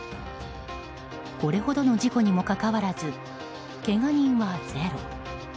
これほどの事故にもかかわらずけが人はゼロ。